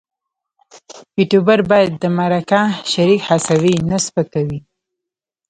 یوټوبر باید د مرکه شریک هڅوي نه سپکوي.